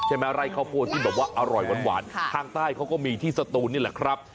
ไร่ข้าวโพดที่แบบว่าอร่อยหวานทางใต้เขาก็มีที่สตูนนี่แหละครับ